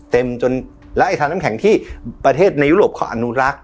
จนแล้วไอ้ทานน้ำแข็งที่ประเทศในยุโรปเขาอนุรักษ